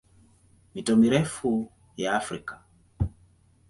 Mito mirefu ya Afrika